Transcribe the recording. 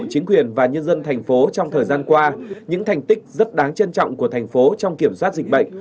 chính quyền và nhân dân tp hcm trong thời gian qua những thành tích rất đáng trân trọng của tp hcm trong kiểm soát dịch bệnh